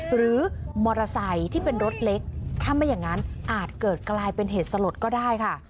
หรือมอเตอร์ไซค์ที่เป็นรถเล็กถ้าไม่อย่างนั้นอาจเกิดกลายเป็นเหตุสลดก็ได้ค่ะ